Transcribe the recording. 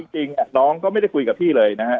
จริงน้องก็ไม่ได้คุยกับพี่เลยนะฮะ